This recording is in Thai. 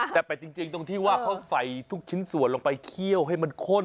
แต่เป็ดจริงตรงที่ว่าเขาใส่ทุกชิ้นส่วนลงไปเคี่ยวให้มันข้น